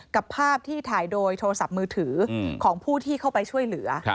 กับภาพที่ถ่ายโดยโทรศัพท์มือถือของผู้ที่เข้าไปช่วยเหลือ